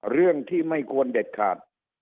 เรื่องที่ไม่ควรเด็ดขาด